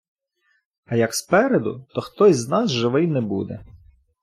А як спереду, то хтось з нас живий не буде...